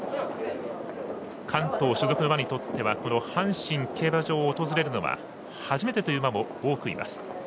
関東所属の馬にとっては阪神競馬場を訪れるのは初めてという馬も多くいます。